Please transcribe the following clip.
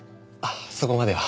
そこまでは。